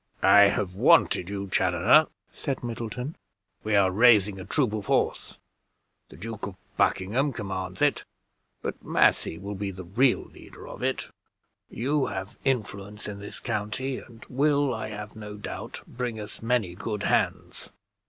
"I have wanted you, Chaloner," said Middleton; "we are raising a troop of horse; the Duke of Buckingham commands it, but Massey will be the real leader of it; you have influence in this county, and will, I have no doubt, bring us many good hands."